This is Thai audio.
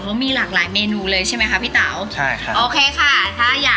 เพราะมีหลากหลายเมนูเลยใช่ไหมครับพี่เต๋าครับจะ